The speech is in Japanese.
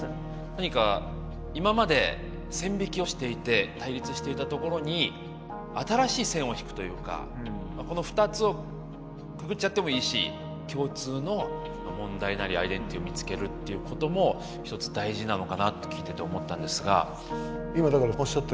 何か今まで線引きをしていて対立していたところに新しい線を引くというかこの２つをくくっちゃってもいいし共通の問題なりアイデンティティーを見つけるっていうことも一つ大事なのかなと聞いてて思ったんですが。